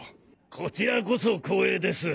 こちらこそ光栄です。